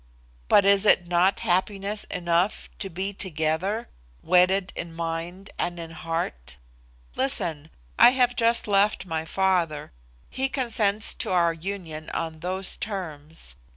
But is it not happiness enough to be together, wedded in mind and in heart? Listen: I have just left my father. He consents to our union on those terms.